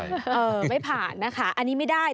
เออไม่ผ่านนะคะอันนี้ไม่ได้